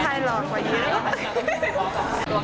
กุมไทยหลอกกว่าอีก